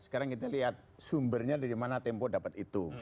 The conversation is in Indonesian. sekarang kita lihat sumbernya dari mana tempo dapat itu